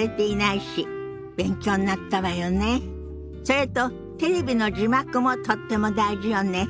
それとテレビの字幕もとっても大事よね。